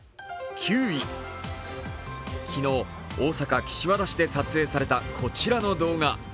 昨日、大阪・岸和田市で撮影された、この動画。